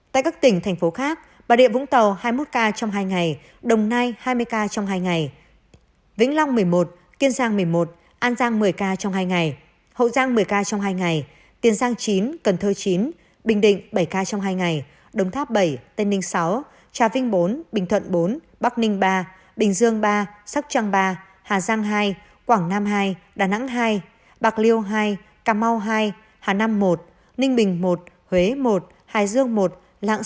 tại các tỉnh thành phố khác bà địa vũng tàu hai mươi một ca trong hai ngày đồng nai hai mươi ca trong hai ngày vĩnh long một mươi một kiên giang một mươi một an giang một mươi ca trong hai ngày hậu giang một mươi ca trong hai ngày tiền giang chín cần thơ chín bình định bảy ca trong hai ngày đồng tháp bảy tên ninh sáu trà vinh bốn bình thuận bốn bắc ninh ba bình dương ba sắc trăng ba hà giang hai quảng nam hai đà nẵng hai bạc liêu hai cà mau hai hà năng một ninh bình một huế một hà năng hai hà năng hai hà năng hai hà năng hai hà năng hai hà năng hai hà